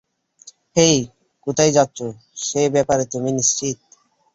হেই, কোথায় যাচ্ছো সে ব্যাপারে তুমি নিশ্চিত?